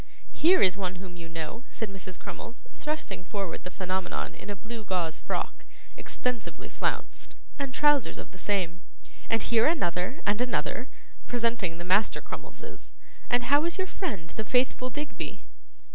'Here is one whom you know,' said Mrs. Crummles, thrusting forward the Phenomenon in a blue gauze frock, extensively flounced, and trousers of the same; 'and here another and another,' presenting the Master Crummleses. 'And how is your friend, the faithful Digby?